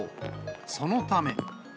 そのため。